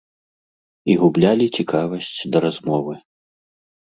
І гублялі цікавасць да размовы.